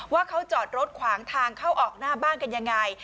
ว่าเขาจอดรถขวางทางเข้าออกหน้าบ้านกันยังไง